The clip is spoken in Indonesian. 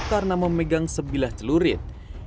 karena memegang sebilah celurit